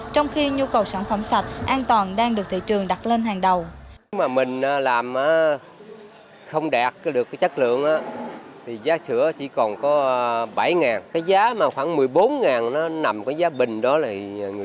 trong khi nhu cầu sản phẩm sạch an toàn đang được thị trường đặt lên hàng đầu